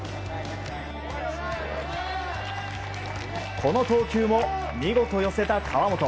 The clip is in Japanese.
この投球も見事、寄せた河本。